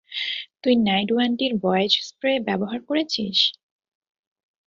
তুই নাইডু আন্টির ভয়েজ স্প্রে ব্যবহার করেছিস?